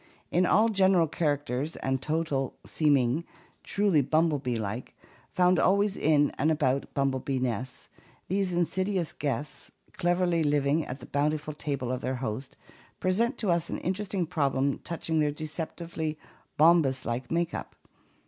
In all general characters and total seeming truly bumblebee like, found always in and about bumblebee nests, these in sidious guests, cleverly living at the bountiful table of their host, present to us an interesting problem touching their deceptively Bombus Uke makeup.